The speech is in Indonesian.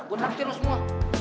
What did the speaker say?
gue traktirin semua